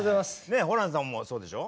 ホランさんもそうでしょ？